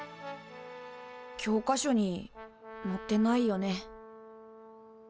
教科書にのってないよね。